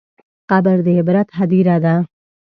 قبر د عبرت هدیره ده.